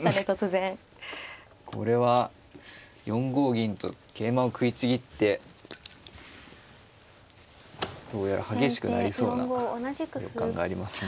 これは４五銀と桂馬を食いちぎってどうやら激しくなりそうな予感がありますね。